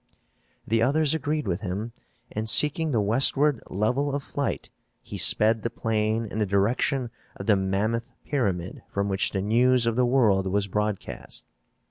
The others agreed with him and, seeking the westward level of flight, he sped the plane in the direction of the mammoth pyramid from which the news of the world was broadcast.